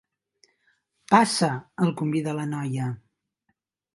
Passa —el convida la noia—.